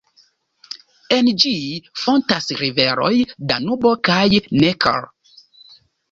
En ĝi fontas riveroj Danubo kaj Neckar.